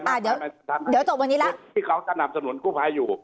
รายมีมันทางที่เค้าจะสนำสนุนกุภัยอยู่